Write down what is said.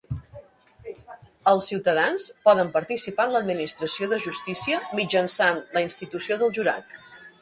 Els ciutadans poden participar en l'Administració de Justícia mitjançant la institució del jurat.